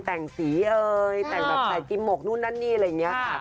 แต่งสีเอ่ยแต่งแบบใส่กิมหกนู่นนั่นนี่อะไรอย่างนี้ค่ะ